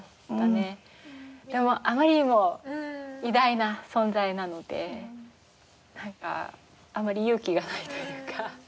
でもあまりにも偉大な存在なのでなんかあんまり勇気がないというか。